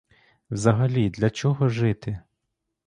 Взагалі, для чого жити?